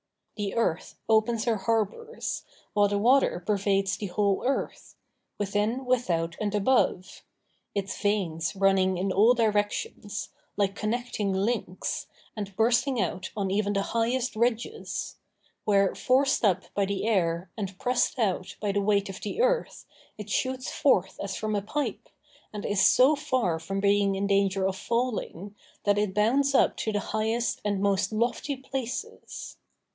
The earth opens her harbors, while the water pervades the whole earth, within, without, and above; its veins running in all directions, like connecting links, and bursting out on even the highest ridges; where, forced up by the air, and pressed out by the weight of the earth, it shoots forth as from a pipe, and is so far from being in danger of falling, that it bounds up to the highest and most lofty places.